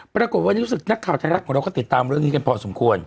ปรากฏวันนี้รู้สึกนักข่าวไทยรัฐของเราก็ติดตามเรื่องนี้กันพอสมควร